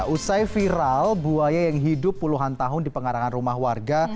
usai viral buaya yang hidup puluhan tahun di pengarangan rumah warga